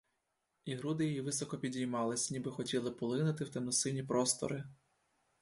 І груди її високо підіймались, ніби хотіли полинути в темно-сині простори.